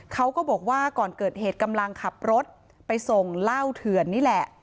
เขาก็บอกว่าก่อนเกิดเหตุกำลังขับรถไปส่งเหล้าเถื่อนนี่แหละ